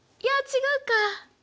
いや違うか。